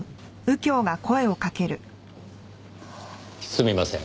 すみません。